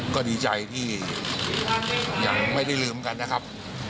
ก็ดีใจที่ยังไม่ได้ลืมกันนะครับ